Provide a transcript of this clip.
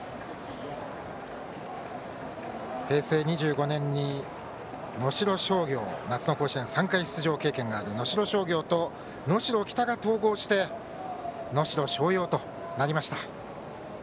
平成２５年に夏の甲子園３回出場経験のある能代商業と能代北が統合して能代松陽となりました。